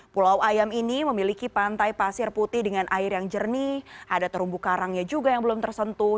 pulau ayam ini memiliki pantai pasir putih dengan air yang jernih ada terumbu karangnya juga yang belum tersentuh